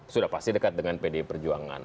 sudah pasti dekat dengan pdi perjuangan